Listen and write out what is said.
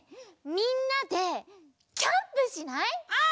みんなでキャンプしない？